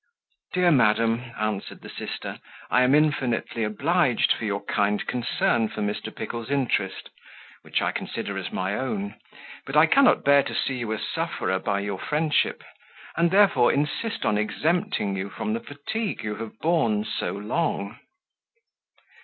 "Dear madam," answered the sister, "I am infinitely obliged for your kind concern for Mr. Pickle's interest, which I consider as my own, but I cannot bear to see you a sufferer by your friendship; and, therefore, insist on exempting you from the fatigue you have borne so long."